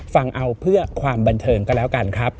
ฟังเอาเพื่อความบันเทิงก็แล้วกันครับ